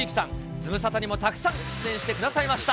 ズムサタにもたくさん出演してくださいました。